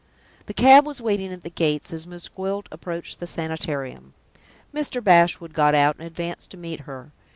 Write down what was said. The cab was waiting at the gates as Miss Gwilt approached the Sanitarium. Mr. Bashwood got out and advanced to meet her.